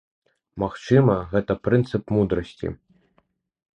Магчыма, гэта прынцып мудрасці.